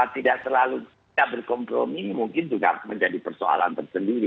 tidak selalu tidak berkompromi mungkin juga menjadi persoalan tersendiri